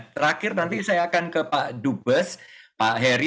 terakhir nanti saya akan ke pak dubes pak heri